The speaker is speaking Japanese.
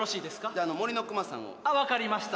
じゃあ「森のくまさん」を分かりました